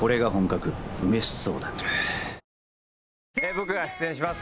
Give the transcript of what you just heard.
僕が出演します